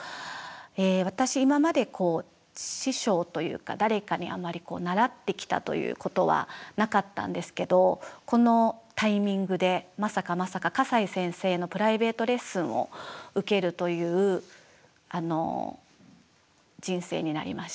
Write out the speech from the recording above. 私今まで師匠というか誰かにあまり習ってきたということはなかったんですけどこのタイミングでまさかまさか笠井先生のプライベートレッスンを受けるという人生になりまして。